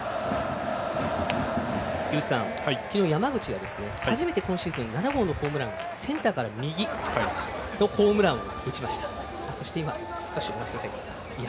井口さん、昨日、山口が初めて今シーズン７号のホームランセンターから右のホームランを打ちました。